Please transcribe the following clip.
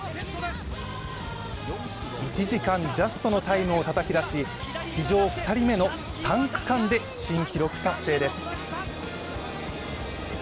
１時間ジャストのタイムをたたき出し、史上２人目の３区間で新記録達成です。